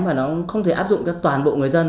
và nó không thể áp dụng cho toàn bộ người dân